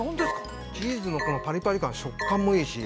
チーズのパリパリ感、食感もいいし。